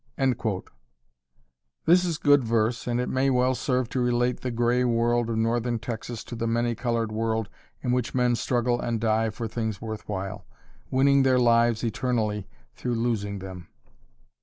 This is good verse and it may well serve to relate the gray world of Northern Texas to the many colored world in which men struggle and die for things worthwhile, winning their lives eternally through losing them.